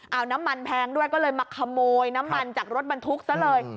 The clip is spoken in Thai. เอาน้ำมันแพงด้วยก็เลยมาขโมยน้ำมันจากรถบรรทุกซะเลย